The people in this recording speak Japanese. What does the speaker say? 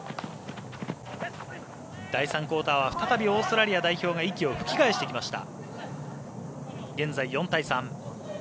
第３クオーターは再びオーストラリア代表が息を吹き返してきました。